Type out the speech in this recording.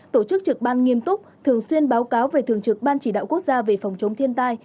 tổ chức trực ban nghiêm túc thường xuyên báo cáo về thường trực ban chỉ đạo quốc gia về phòng chống thiên tai